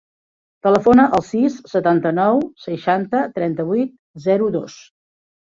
Telefona al sis, setanta-nou, seixanta, trenta-vuit, zero, dos.